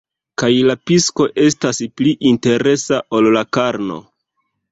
Kaj la psiko estas pli interesa ol la karno.